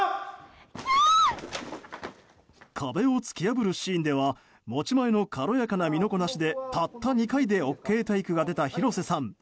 壁を突き破るシーンでは持ち前の軽やかな身のこなしでたった２回でＯＫテイクが出た広瀬さん。